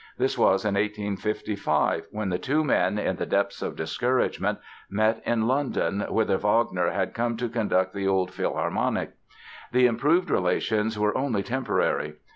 This was in 1855, when the two men, in the depths of discouragement, met in London whither Wagner had come to conduct the Old Philharmonic. The improved relations were only temporary.